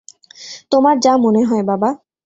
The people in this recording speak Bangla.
তোমার যা মনে হয়, বাবা!